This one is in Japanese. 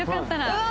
うわ！